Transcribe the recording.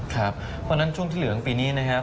เพราะฉะนั้นช่วงที่เหลืองปีนี้นะครับ